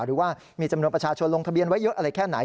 หรือว่ามีจำนวนประชาชนลงทะเบียนไว้เยอะอะไรแค่ไหน